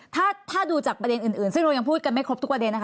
ถ้าดูจากประเด็นอื่นซึ่งเรายังพูดกันไม่ครบทุกประเด็นนะคะ